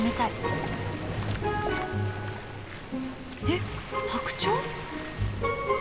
えっ白鳥？